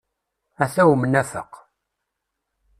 Ata umnafeq!